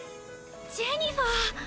ジェニファー！